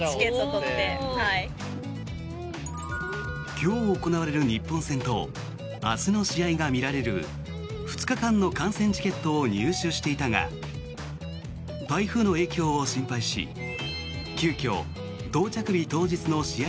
今日行われる日本戦と明日の試合が見られる２日間の観戦チケットを入手していたが台風の影響を心配し急きょ、到着日当日の試合